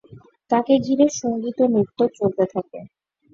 তাকে ঘিরে সঙ্গীত ও নৃত্য চলতে থাকে।